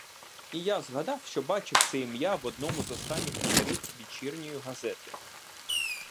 І я згадав, що бачив це ім'я в одному з останніх номерів вечірньої газети.